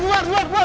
buar buar buar